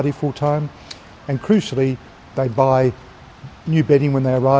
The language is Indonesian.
dan pentingnya mereka membeli beding baru ketika mereka datang ke sini